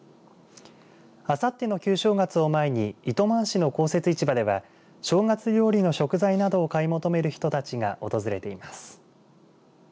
あさっての旧正月を前に糸満市の公設市場では正月料理の食材などを買い求める人たちが訪れています。